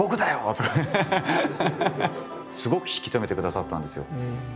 すごく引き止めてくださったんですよ。